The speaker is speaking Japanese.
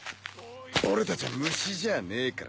俺たちゃ虫じゃねえからな。